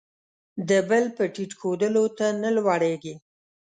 د بل په ټیټ ښودلو، ته نه لوړېږې.